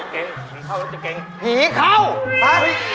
ผิเขาฮะ